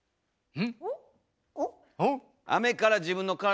うん！